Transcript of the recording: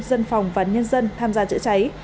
dân phòng và nhân dân tham gia chữa cháy